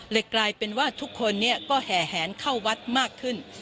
กลายเป็นว่าทุกคนก็แห่แหนเข้าวัดมากขึ้น